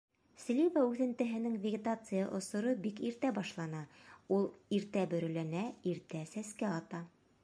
Слива үҫентеһенең вегетация осоро бик иртә башлана, ул иртә бөрөләнә, иртә сәскә ата.